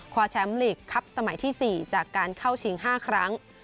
แชมป์ลีกครับสมัยที่๔จากการเข้าชิง๕ครั้ง